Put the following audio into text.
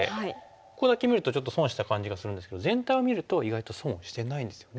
ここだけ見るとちょっと損した感じがするんですけど全体を見ると意外と損をしてないんですよね。